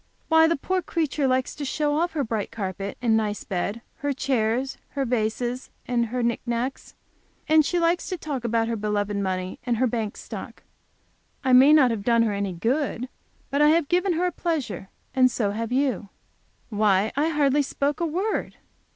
"Why the poor creature likes to show off her bright carpet and nice bed, her chairs, her vases and her knick knacks, and she likes to talk about her beloved money, and her bank stock. I may not have done her any good; but I have given her a pleasure, and so have you." "Why, I hardly spoke a word."